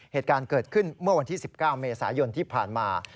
เหตุการณ์เกิดขึ้นเมื่อวันที่๑๙เมษายนที่ผ่านมา